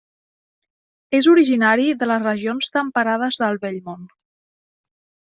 És originari de les regions temperades del Vell Món.